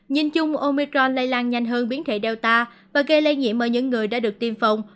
nhìn chung omicron lây lan nhanh hơn biến thể data và gây lây nhiễm ở những người đã được tiêm phòng